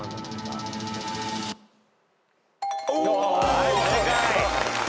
はい正解。